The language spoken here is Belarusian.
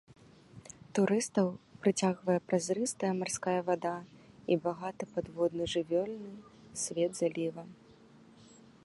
Турыстаў прыцягвае празрыстая марская вада і багаты падводны жывёльны свет заліва.